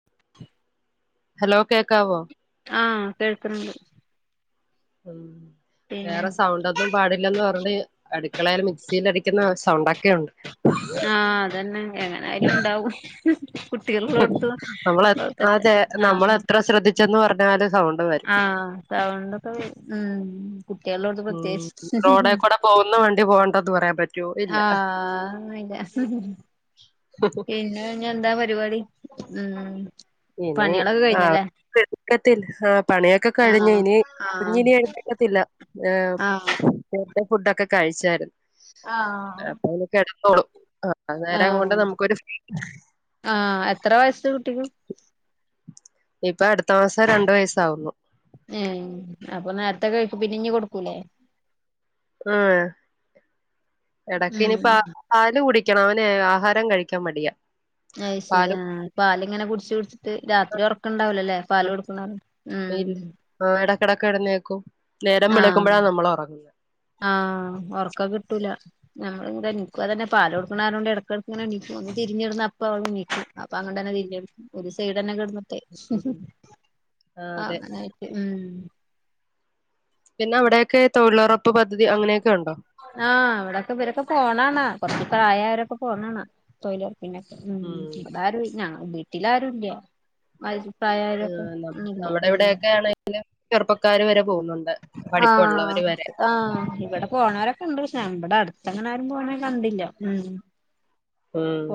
[unintelligible] Hello കേക്കാവോ? ആഹ് കേൾക്ക്ണ്ണ്ട്. മ് പിന്നെ വേറെ സൗണ്ടന്നും ഒന്നും പാടില്ലന്ന് പറഞ്ഞഞ് അടുക്കളയൽ മിക്സിൽ അടിക്കുന്ന സൗണ്ടൊക്കെ ണ്ട്. ആഹ് അതന്നെ എങ്ങനൊലും ണ്ടാവും. മ് നമ്മള അതെ നമ്മൾ ആഹ് എത്ര ശ്രദ്ധിച്ചന്ന് പറഞ്ഞാല് സൗണ്ട് വരും. ആഹ് സൗണ്ടൊക്കെവരും ഉ കുട്ടികളോടുത്ത് ഉം പ്രത്യേകിച്ച് റോഡേ [unintelligible] കൂടെ പോകുന്ന വണ്ടി പോകേണ്ടത് പറയാൻ പറ്റും. ആഹ് അഹോന്നും ഇല്ല പിന്നെ അഹ് കാഴിഞ്ഞ എന്താ പരിപാടി മ് പണികളൊക്കെ കഴിഞ്ഞല്ലേ? എക്കത്തില്ല ആ പണിയൊക്കെ കഴിഞ് ആഹ് ഇനി ആഹ് കുഞ്ഞിന എഴുതിക്കത്തില്ല ആഹ് നേരത്തെ ഫുഡൊക്കെ കഴിച്ചായിരുന്നു ആഹ് അപ്പൊ കെടന്നോളും ആ നേരം കൊണ്ട് നമുക്കൊരു ആ എത്ര വയസ് കുട്ടിക്ക്? ഇപ്പൊ അടുത്ത മാസം രണ്ടു വയസ്സാവുന്നു ഉ അപ്പൊ നേരത്ത [unintelligible] കൊടുക്കൂലേ ആ ഉം എടക്കിനിപ്പ പാല് കുടിക്കണം അവന ആഹാരം കഴിക്കാൻ മടിയാ അ ശരിയ പാല് പാലിങ്ങനെ കുടിച്ച് കുടിച്ചിട്ട് രാത്രി ഉറക്കണ്ടാവലല്ലേ പാല് കൊടുക്കണ ഇല്ല ഇടയ്ക്കിടക്ക് ഇടുന്നേക്കും നേരം വിളക്കുമ്പോഴാണ് നമ്മൾ ഉറങ്ങുന്നത് ആഹ ഉറക്കം കിട്ടൂല നമ്മള ഇവിടെ എനിക്കും അതന്നെ പാല കൊടുക്കണോണ്ട് ഇടക്കെടുക്ക എക്ക് ഒന്ന് തിരിഞ്ഞിടുന്ന അപ്പ അവള് എണീക്കും അപ്പൊ അങ്ങ തന്നെ തിരിച്ച് കെടക്കും ഒരു സൈഡ്ന്നെ കിട ഉം ആഹ് ആ അതെ അങ്ങനൊയിട്ട് ഉ പിന്നെ അവിടെയൊക്കെ തൊഴിലുറപ്പ് പദ്ധതി അങ്ങനെയൊക്കെ ഉണ്ടോ ആഹ് ഇവിടെക്കെ ഇവരൊക്കെ പോണാണ് കൊറച്ച പ്രായവരൊക്കെ പോണാണ് തൊഴില പിന്നെ ഉം ഉ ആരും ഇല്ല വീട്ടില ആരുമില്ല [unintelligible] ചെറുപ്പക്കാർ വരെ പോകുന്നുണ്ട് ആഹ പഠിപ്പുള്ളവര് വരെ ആഹ് ഇവിടെ പോണവരൊക്കെ കണ്ട് നമ്മടെ അടുത്തങ്ങനരും പോണ കണ്ടില്ല ഉ ഉം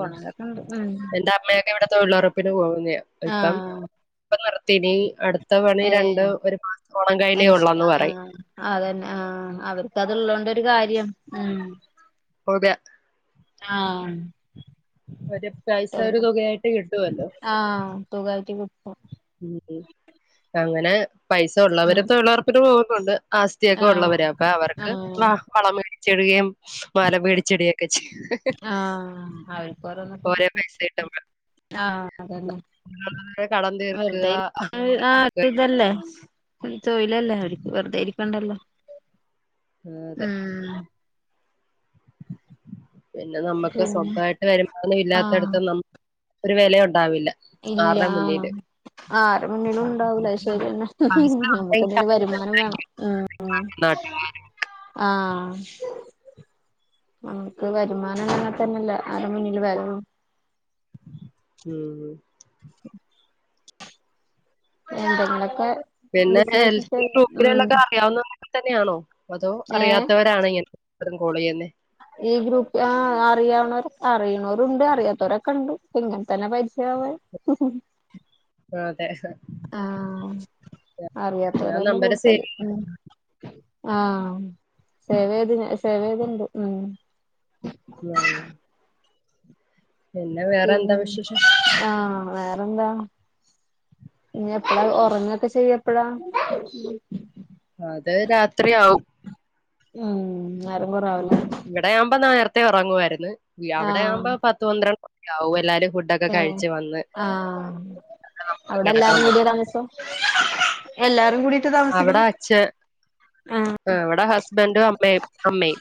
ഉം എന്റെ അമ്മയൊക്കെ ഇവിടെ തൊഴിലുറപ്പിന് പോകുന്ന ഇല്പ്പം ആഹ് ഇപ്പ നിർത്തിനി അടുത്ത പണി രണ്ട് ഏഹ് ഒരു മാസത്തോണം കഴിഞ്ഞേ അത് ശരി ഉള്ളന്ന് പറയും ആഹ് അതന്നെ ആ അവർക്ക് അത് ഇള്ളോണ്ടരു കാര്യം ഉ [unintelligible] ആഹ ഒരു പൈസ ഒരു തുകയായിട്ട് കിട്ടുമല്ലോ ആഹ തുകായിട്ട് കിട്ടും ഉ അങ്ങനെ പൈസ ഉം ഉള്ളവരും തൊഴിലുറപ്പിന് പോവുന്നുണ്ട് ആസ്തിള്ളവരൊക്കെ ആഹ് ഉള്ളവരാ അപ്പൊ അവർക്ക് ആഹ് വള മേടിച്ചിടുകയും മാല പേടിച്ചെടിയൊക്കെ ചെയ ആഹ് കുറേ പൈസ കിട്ടുമ്പോൾ ആഹ അതന്നെ കടം വെറുത തീർക്കുക ആഹ അത് ഇതല്ലേ ഒരു തൊയ്ലല്ലേ അവക്ക് വെറുതെ ഇരിക്കണ്ടല്ലോ അതെ ഉം പിന്നെ നമുക്ക് പിന്നെ സ്വന്തമായിട്ട് വരുമാന ആഹ് ഇല്ലാത്തടുത്ത് നമ്മ ഒരു വിലയ ഉണ്ടാവില്ല ഇല്ല ആരുടെ ആ മുന്നില് ആറ് മണിലും ഉണ്ടാവൂലശ്ശേരി തന്നെ പൈസ നമുക്ക്തിന്റെ ഉണ്ടെങ്കിൽ വരുമാനം വേണം [unintelligible] ആഹ നമുക്ക് വരുമാനം അങ്ങനെ തന്നെല്ല അര മുന്നില് വെലള്ളൂ ഉം [inaudible] ഉണ്ടെങ്കിലൊക്കെ പിന്നെ എൽ ഗ്രൂപ്പിലള്ളൊക്കെ അറിയാവുന്നൊക്കെ തന്നെയാണോ അതോ ഏഹ് അറിയാത്തവരണ ഇങ്ങനെ [unintelligible] കോൾ ചെയ്യുന്നെ ഈ ഗ്രൂപ്പ് ആ അറിയാവുന്നവ അറിയണവരുണ്ട് അറിയാത്തവരൊക്കെ ഉണ്ട് ഇങ്ങനെ തന്നെ പരിചയവാൻ ഹ ഹ ആ അതെ ആഹ അറിയാത്തവർ ഞാൻ തന്നെ നമ്പര് കൂടുതൽ സേവ് ഉ ആഹ [unintelligible] [unintelligible] പിന്നെ വേറെ എന്താ പിന് വിശേഷം ആഹ വേറെന്താ ഇനി എപ്പളാ ഉറങ്ങൊക്കെ ചെയ്യ എപ്പളാ അത് രാത്രിയാവും ഉം നേരംകൊറേ ആവല്ലേ ഇവിടെയാവുമ്പോ നേരത്തെ ഉറങ്ങുവായിരുന്ന്‌, അവിടെയാവുമ്പോ പത്ത് പന്ത്രണ്ട് മണി ആകും എല്ലാരരും കൂടി ഏ ആഹ അവിടെ കിടക്കാൻ എല്ലാരും പറ്റും കൂടിയ താമസം? എല്ലാരും കൂടീട്ട്താമസിക്കണ്‌ ആ ഇവിടെ ഹസ്ബന്റുംഅമ്മയും അമ്മയും.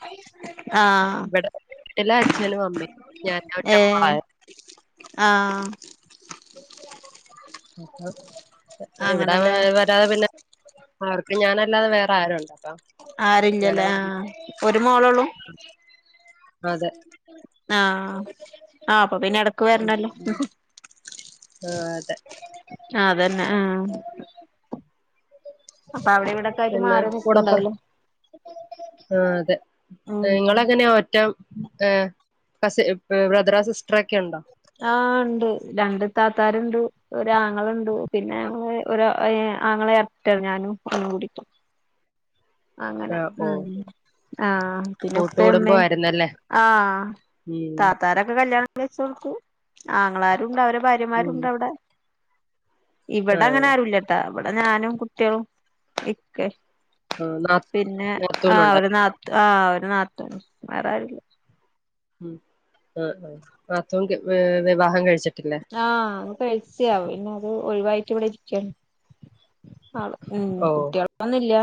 ആ ആ വീട്ടില് അച്ഛനും അമ്മയും ഞാൻ ഒറ്റമോളാ. ആ അപ്പ [inaudible] ഇവിടെ അങ്ങനല്ലേ വരാതെ പിന്നെ അവർക്ക് ഞാനല്ലാതെ വേറെ ആരുണ്ട്? അപ്പൊ അങ്ങനെ ആരുല്ല്യലേ ആ വന്ന് ഒരു മോളോള്ളൂ? അതെ ആഹ ആ അപ്പൊ പിന്നെടക് ഉം, വരണല്ലോ. ഉം. ആ, അതെ അതന്നെ ആ. അപ്പൊ അവിടെ ഇവിടൊക്കെ ആയിട്ട് പിന്നെ മാറി നിക്ക്ണ്ടാവും കൂടപ്പുറം ലേ? ആ അതെ, നിങ്ങളെങ്ങനെ ഒറ്റം ഏ കസി ബ്രദറോ സിസ്റ്ററൊക്കെയുണ്ടോ? ആഹ് ഇണ്ട് രണ്ട് താത്താര്ണ്ട് ഒരാങ്ങളണ്ട് പിന്നെ നങ്ങള് ഒരു ആങ്ങളെ എരട്ട ആണ് ഞാനും ഓനും കൂടീട്ട്. ആ, അങ്ങനെ ഓ മ് ആഹ പിന്നെ ഉപ്പേമ്മേ കൂട്ടുകുടുംബമായിരുന്നല്ലേ ആഹ ഉം താത്താരൊക്കെ കല്യാണം- വെച്ച് കൊടുത്തു ആങ്ങളാരുണ്ട് അവരെ ഉം ഭാര്യമാരുണ്ട അവിടെ ഇവിടെ ആഹ് അങ്ങനെ ആരുല്ലട്ടാ, ഇവിടെ ഞാനും, കുട്ടികളും, ഇക്കിം [unintelligible] പിന്നെ ആ നാത്തൂനുണ്ട് ഒരു നാ തൂ ഒരു നാക്കൂൻ, വേറാരൂല്ല്യ ഉ ആ ആ നാത്തൂൻ വി വിവാഹം കഴിച്ചിട്ടില്ലേ? ആഹ ഒന്ന് കഴിച്ചാപിന്നെ അത് ഒഴിവായിട്ട് ഇവിടെ ഇരിക്കാണ്. ആള് ഉ ഓഹ് കുട്ടികളൊന്നും ഇല്ല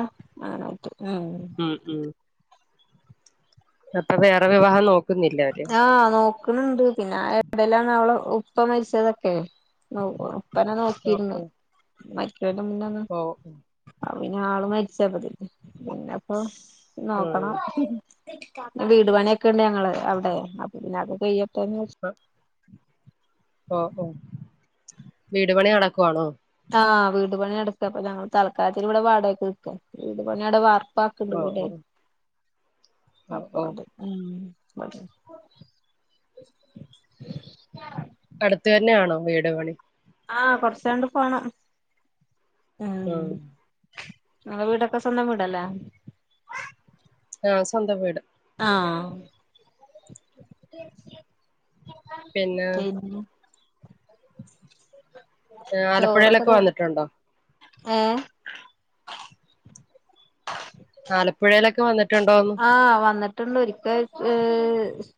ഒറ്റക്കാണ് ഉം ഉം. അപ്പൊ വേറെ വിവാഹം നോക്കുന്നില്ലേ അവര്? ആഹ് നോക്ണ്‌ണ്ട് പിന്നെ ആ എടെലാണ് അവളെ ഉപ്പ മരിച്ചതൊക്കെ. [inaudible] ഉപ്പ ന്നെ നോക്കിയിരുന്ന് ഓഹ് മരിക്കുന്നതിന്റെ മുന്നന്നെ ഓഹ് ഓഹ് ഉം അ പിന്നെ ആള് മരിച്ചപ്പതിന് പിന്നെപ്പം നോക്കണം. ആഹ് വീട് പണിയൊക്കെ ഉണ്ട് ഞങ്ങള് അവിടെ, അപ്പൊ പിന്നെ അത് കയ്യട്ടെന്ന്‌വെച്ച് [inaudible] ഓ ഓ വീട് പണി നടക്കൊവാണോ? ആ ആ വീട് പണി നടക്കാ അപ്പൊ ഞങ്ങൾ തൽക്കാലത്തിൽ ഇവിടെ വാടകക്ക് നിക്ക, വീട് പണിയുടെ വാർ ർപ്പാക്ക് ഇണ്ട് ഓഹ് വീടെ ഓഹ് ഓഹ് അപ്പൊ ഓഹ് അത് ഉം [unintelligible] അട്ത്ത് തന്നെയാണോ വീട് പണി? ആഹ കൊർച്ചണ്ട് പോണം. ഉം ഇങ്ങളെ വീടൊക്കെ സ്വന്തം വീടെല്ലേ? ആഹ സ്വന്തം വീട്. ആഹ പിന്നെ [unintelligible] ചോറൊക്കെ ആലപ്പുഴയിലൊക്കെ തിന്ന് വന്നിട്ടുണ്ടോ ഏ [inaudible] ആലപ്പുഴയിലൊക്കെ വന്നിട്ടുണ്ടോന്ന്? ആഹ് വന്നിട്ടുണ്ട് ഒരിക്കൽ,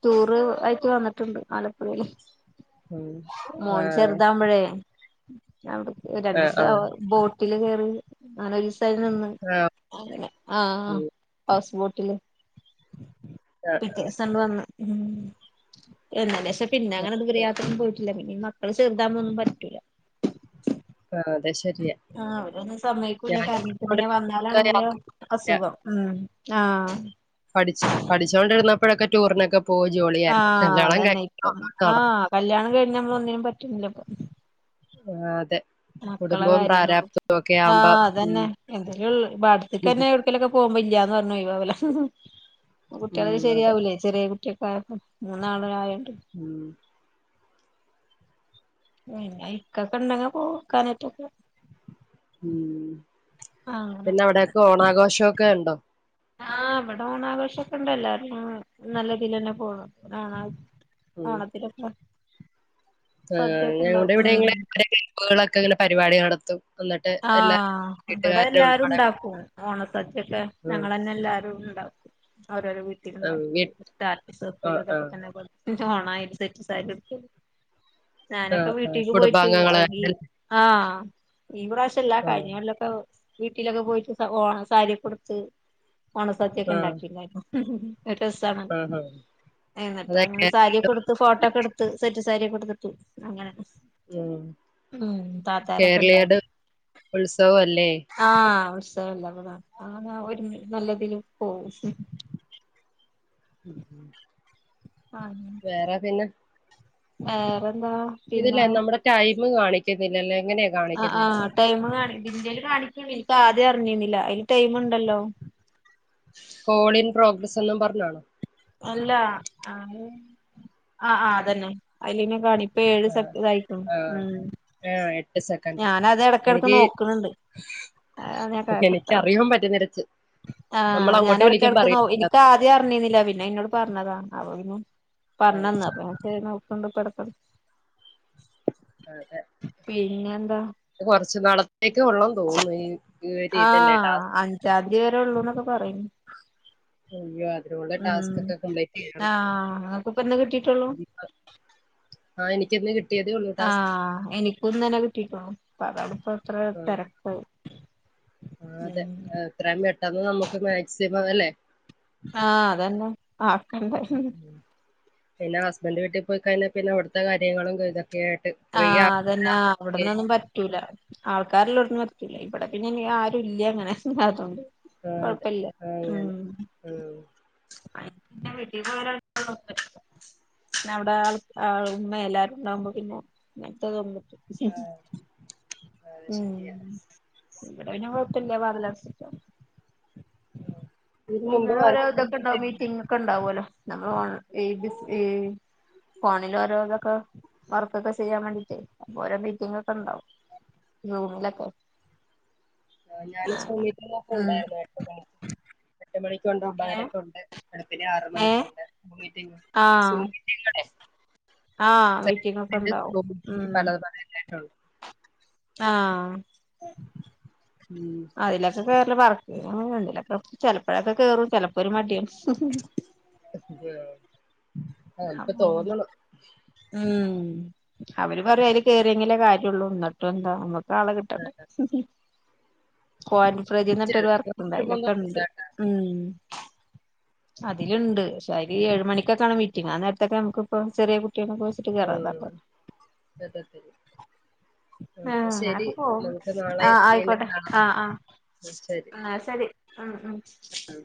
ടൂർ ആയിട്ട് വന്നിട്ടുണ്ട് ആലപ്പുഴിൽ [inaudible] മോൻ ആഹ് ചെറുതാവുമ്പോഴേ അവിടെ ആഹ് ആഹ് രണ്ടീസം ബോട്ടില് കേറി അങ്ങനൊരു സൈഡിൽ നിന്ന് ആഹ് അങ്ങനെ ആഹ് ഉം ഹൗസ് ബോട്ടില് ആഹ് പിറ്റേസം ഇങ്ങട് വന്ന് ഉം എന്നലെ പക്ഷെ പിന്നെ അങ്ങനെ ദൂരയാത്രയൊന്നും പോയി ട്ടില്ല. പിന്ന ഈ മക്കള് ചെറുതാവുമ്പോൾ ഒന്നും പറ്റത്തില്ല ആഹ് അത് ശരിയാ ആ അവരൊന്നും സമ്മയിക്കൂല ഞാനും കരഞ്ഞിട്ട് പിന്നെ വന്നാലാണെങ്കില് അസുഖം ഉം ആഹ് പഠിച്ചു പഠിച്ചുകൊണ്ടിരുന്നപ്പോഴൊക്കെ ടൂറിനൊക്കെ പോയി ജോളിയാരുന്ന് ആഹ് കല്യാണം അതന്നെ കഴിഞ്ഞപ്പോൾ ഇപ്പം ഒന്നും നട ആഹ് കല്യാണം കഴിഞ്ഞ് നമ്മളൊന്നിനും പറ്റൂല ഇപ്പം ആഹ് അതെ മക്കളെ കുടുംബവും കാര്യങ്ങളും പ്രാരാബ്ദവും ഒക്കെ ആ ആവുമ്പോ ഉം അതന്നെ [unintelligible] ഓലൊക്കെ പോകുമ്പോ ഇല്ലാന്ന് പറഞ്ഞ് ഒഴിവാകലാ അപ്പൊ ഉം കുട്ടികൾക്ക് അതെ ശരിയാവൂലല്ലോ ചെറിയ കുട്ടിയൊക്കെ ആയപ്പോ മൂന്നാള ആയട്ട് ഉം പിന്ന ഇക്കാക്ക ഉണ്ടങ്കി പോക്കാനൊറ്റക്കെ ഉം അങ്ങനെ പിന്നെ അവിടൊക്കെ ഓണാഘോഷവൊക്കെ ഒണ്ടോ ആഹ് ഇവിടെ ഓണാഘോഷൊക്കെ ഇണ്ട് എല്ലാരും നല്ല ഇതിൽ തന്നെ പോണു ഉം ഓണത്തിനക്ക ആ ഞങ്ങളുടെ ഇവിടെ ഉം ഇങ്ങനെ ഓരേ ഗ്രൂപ്പുകളൊക്കെ ഇങ്ങനെ പരിപാടി നടത്തും എന്നിട്ട് എല്ലാരും ആഹ് ഇവിടെ വീട്ടുകാരെ എല്ലാരും ഉൾപ്പെടെ ഉണ്ടാക്കും ഓണസദ്യൊക്കെ ഉം ഞങ്ങൾ തന്നെ എല്ലാരും ഉണ്ടാക്കും അവരവര് ഉം വീ വീട്ടിഇരുന്നുണ്ടാക്കിയിട്ട് സ്റ്റാറ്റസ് ആ വെക്കല് ആ ഇതൊക്കെ തന്നെ പണി ഓണായിട്ട് സെറ്റ് സാരിയുട്ത്ത് ആ ഞാനൊക്കെ ആ വീട്ടീക്ക് പോയിട്ട് കുടുംബാംഗങ്ങള് ആ ആഹ് ഈ പ്രാവശ്യം അല്ല കഴിഞ്ഞ ആ കൊല്ലൊക്കെ വീട്ടിലൊക്കെ പോയിട്ട് ഓണ സാരിയൊക്കെ ഉടുത്ത് ഓണ സദ്യൊക്കെ ആ ഉണ്ടാക്കിണ്ടായിരുന്നു നല്ല രസാണത് ആ എന്നിട്ട അതെ ഞങ്ങള് കേരളീയ സാരിയൊക്കെ ഉടുത്ത് ഫോട്ടോ ഒക്കെ എടു ത്ത് സെറ്റ് സാരിയൊക്കെ ഉടുത്തിട്ട് അങ്ങനൊക്കെ ഉം ഉണ്ടായിരുന്നു കേരളീയരുടെ ഉത്സവഅല്ലേ ആഹ് ഉത്സവല്ലേ അതാ ആ ഒരു നല്ലതിലും പോകും ഉം [unintelligible] വേറെ പിന്ന വേറെന്താ പിന്നെ ഇതില്ലേ നമ്മുടെ ടൈമ് കാണിക്കുന്നില്ലല്ലോ എങ്ങനെയ ആഹ് ആഹ് ടൈമ് കാണിക്കും ഇതേല് കാണിക്കിണ് ഇപ്പ ആദ്യം അറിഞ്ഞിരുന്നില്ല അതില് ടൈമുണ്ടല്ലോ കോൾ ഇൻ പ്രോഗ്രസ് എന്നും പറഞ്ഞാണോ അല്ല അത് ആഹ് ആഹ് അതന്നെ അയില് പിന്നെ കാണിക് പേര് സക്സസ് ആയിക്കും ആഹ് ആഹ് എട്ട് സെക്കൻഡ് എനിക്ക് നോക്ക്ണ് ണ്ട് അതാണ് ഞാൻ കട്ടാവും എനിക്കറിയാൻ പറ്റും നിരച്ച് ആഹ് ഞാനെടക്കെടക്ക് നോ എനിക്ക് ആ ദ്യം അറിഞ്ഞിരുന്നില്ല പിന്ന ഇന്നോട് പറഞ്ഞതാ അപ്പ പിന്നെ ആഹ് പറഞ്ഞന്ന് അപ്പ നോക്കണ്ട് ഇടക്കിടക്ക് അതെ പിന്നെ എന്താ ഇത് കൊറച്ചുനാളത്തേക്കെ ഒള്ളെന്ന് തോന്നുന്നു ഇത് ആഹ് അഞ്ചാംതീയതി വരെ ഉള്ളൂ എന്നൊക്കെ പറയുന്നു അയ്യോ അതിനുള്ള ഉം ടാസ്ക് ഒക്കെ കംപ്ലീറ്റ് ചെയ്യണം ആഹ് ഇങ്ങക്കിപ്പ എന്താ കിട്ടിട്ടുള്ളൂ ആഹ് എനിക്കിന്ന് കി ആഹ് എനിക്കുന്നലെ കിട്ടിട്ടുള്ളു പ്പ അതാടിപ്പ ഇത്ര ആഹ് തിരക്ക് ആഹ് അതെ ഉം എത്രയും പെട്ടെന്ന് നമുക്ക് മാക്സിമം അല്ലേ ആഹ് അതന്നെ ആക്കണ്ടെ പിന്ന ഹസ്ബൻറ് വീട്ടിൽ പോയി കഴിഞ്ഞാ പിന്നെ അവിടുത്തെ കാര്യങ്ങളും [unintelligible] കേട്ട് ആഹ്. അതന്നെ. അവിടന്നൊന്നും പറ്റ് റ്റൂലാ ആൾക്കാര്‌ള്ളട്‌ത്ത് ന്ന് പറ്റൂല്ല ഇവിടെ പിന്നെ ആരുല്ല്യ ഇ അങ്ങനെല്ലാണ്ട് കൊഴപ്പല്ല ഉം ഊം. [inaudible] പിന്നവിടെ അയാ അയാളെ ഉമ്മയെല്ലാവരും ണ്ടാവുമ്പം പിന്ന ങ്ങൻത്തൊതൊന്നും ! ! ! ! അത് ! ഉം ശരിയാ ഇവിടയിന് കൊഴപ്പില്ല വാതിലട അടച്ചിട്ടാതി ആ [unintelligible] മീറ്റിംഗ് ഒക്കെ ഉണ്ടാവുമല്ലോ നമ്മൾ ഓൺ ഈ ഫോണിൽ ഓരോ ഇതൊക്കെ വർക്കൊക്കെ ചെയ്യാൻ വേണ്ടിട്ട് ഓരോ മീറ്റിംഗ് ക്കണ്ടാവും നൂലക്കെ ആ ഞാന് സൂമീറ്റിങ്ങാക്കെ ഉണ്ടായിരുന്നു എട്ട് മണി എട്ട്മണിക്കുണ്ട്, ഒമ്പരക്കുണ്ട് വെളുപ്പിനെ ആറ് ഏ മണിക്കുണ്ട് മീറ്റിംഗ് ആഹ് സൂം ആഹ് മീറ്റിംഗ് ഒക്കെ ഉണ്ടാവും ഉം പല പറയ [unintelligible] ആഹ്. ഊം. അതിലൊക്കെ കേറല് വർ [unintelligible] ചെപ്പോഴൊക്കെ കേറും ചെലപ്പൊരു മടിയും! ! ! ! ! തെയോ നമുക്ക് തോന്നണം ഊം. അവര് പറയു അയില് കേറിയെങ്കിലെ കാര്യള്ളൂ ന്നൊ ട്ടന്താ നമ്മക്കാളെ കിട്ടണ്ടേ കോയന്റ് ഫ്രജി ന്ന്ട്ടൊരു ചെറുതൊന്നും നിർബന്ധമൊന്നുമില്ല വർക്ക്ണ്ടായിലൊക്കണ്ട്. ഊം. അതില്ണ്ട്. ക്ഷെ അതി ഏഴ് മണിക്കൊക്കാണ് മീറ്റിങ്ങ് ആ നേരത്തൊക്കെ നമുക്ക്‌പ്പൊ ചെറിയ കുട്ട്യ [unintelligible] ആഹ് [unintelligible] ആഹ് അതോകെ പോവും നാളെ ആഹ വീണ്ടും ആയിക്കോട്ടെ കാണാം ആഹ് ആഹ ഉം, ആഹ് സരി ഉം ഉം ഉം